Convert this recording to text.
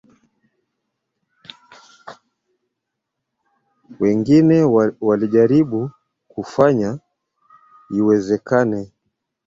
Wengine walijaribu kufanya iwezekane